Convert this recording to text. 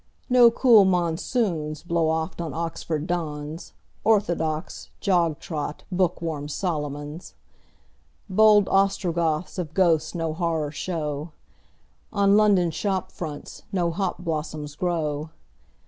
No cool monsoons blow oft on Oxford dons. Orthodox, jog trot, book worm Solomons! Bold Ostrogoths of ghosts no horror show. On London shop fronts no hop blossoms grow.